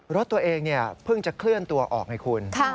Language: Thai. รถตัวเองเพิ่งจะเคลื่อนตัวออกไงคุณ